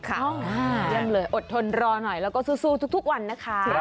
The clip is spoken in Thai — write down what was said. เยี่ยมเลยอดทนรอหน่อยแล้วก็สู้ทุกวันนะคะ